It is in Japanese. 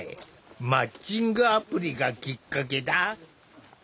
マッチングアプリがきっかけだ。